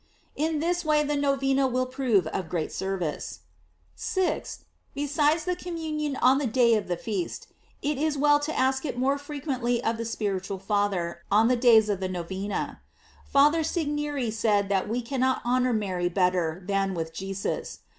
In this way the Novena will prove of great service. 6th. Be sides the communion on the day of the feast, it is well to ask it more frequently of the spiritual father on the days of the Novena. Father Segneri said that we cannot honor Mary better than with Jesus.